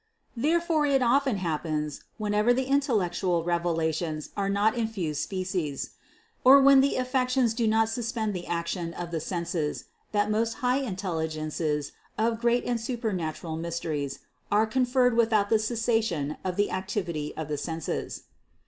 Therefore it often happens, when ever the intellectual revelations are not infused species, or when the affections do not suspend the action of the senses, that most high intelligences of great and super natural mysteries are conferred without the cessation of the activity of the senses.